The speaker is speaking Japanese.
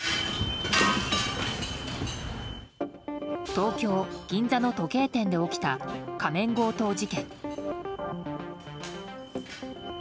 東京・銀座の時計店で起きた仮面強盗事件。